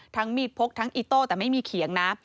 มีดพกทั้งอิโต้แต่ไม่มีเขียงนะ